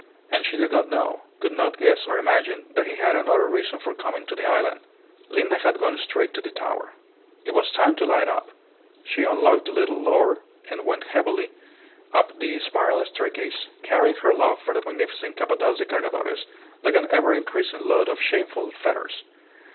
And she did not know, could not guess or imagine, that he had another reason for coming on the island. Linda had gone straight to the tower. It was time to light up. She unlocked the little door, and went heavily up the spiral staircase, carrying her love for the magnificent Capataz de Cargadores like an ever increasing load of shameful fetters.